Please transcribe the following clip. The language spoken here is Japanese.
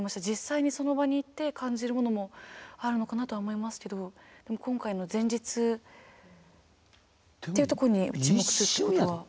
実際にその場に行って感じるものもあるのかなとは思いますけど今回の前日っていうところに注目するっていうことは。